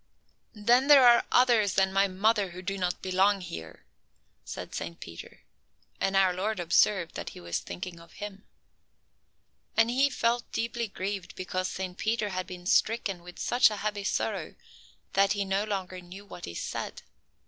"Then there are others than my mother who do not belong here," said Saint Peter, and our Lord observed that he was thinking of Him. And He felt deeply grieved because Saint Peter had been stricken with such a heavy sorrow that he no longer knew what he said.